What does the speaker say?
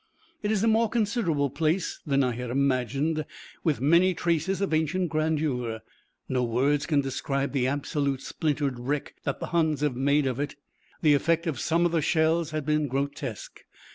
It is a more considerable place than I had imagined, with many traces of ancient grandeur. No words can describe the absolute splintered wreck that the Huns have made of it. The effect of some of the shells has been grotesque.